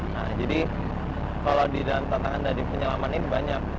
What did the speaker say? nah jadi kalau di dalam tantangan dari penyelaman ini banyak